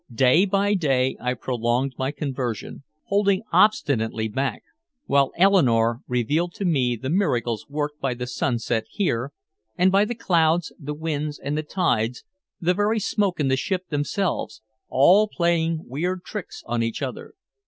Day by day I prolonged my conversion, holding obstinately back while Eleanore revealed to me the miracles worked by the sunset here, and by the clouds, the winds, the tides, the very smoke and the ships themselves, all playing weird tricks on each other.